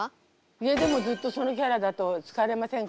「家でもずっとそのキャラだと疲れませんか？」